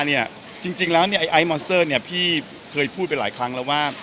ที่จริงไอมอนสเตอร์พี่เคยพูดไปหลายครั้งแล้วว่า